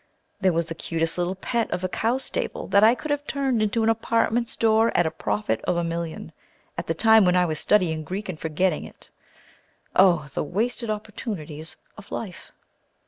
There was the cutest little pet of a cow stable that I could have turned into an apartment store at a profit of a million, at the time when I was studying Greek and forgetting it. Oh! the wasted opportunities of life!